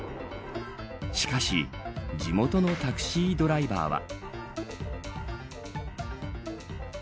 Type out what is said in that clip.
しかし地元のタクシードライバーは。